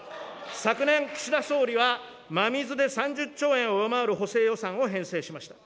昨年、岸田総理は、真水で３０兆円を上回る補正予算を編成しました。